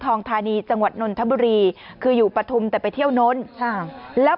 งธานีจังหวัดนนทบุรีคืออยู่ปฐุมแต่ไปเที่ยวน้นแล้ว